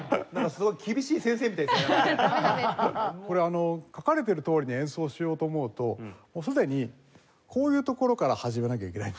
これ書かれているとおりに演奏しようと思うともうすでにこういうところから始めなきゃいけないんですね。